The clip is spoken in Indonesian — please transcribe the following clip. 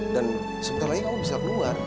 dan sebentar lagi kamu bisa keluar